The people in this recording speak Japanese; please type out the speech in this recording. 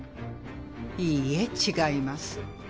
いいえ違います。